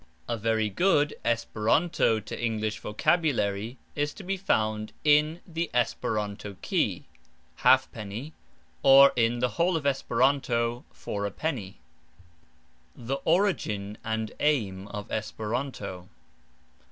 A very good Esperanto English vocabulary is to be found in the "Esperanto Key," 1/2d., or in "The Whole of Esperanto for a Penny." THE ORIGIN AND AIM OF ESPERANTO.